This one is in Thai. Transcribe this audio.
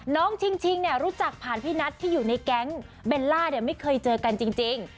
ชิงเนี่ยรู้จักผ่านพี่นัทที่อยู่ในแก๊งเบลล่าเนี่ยไม่เคยเจอกันจริง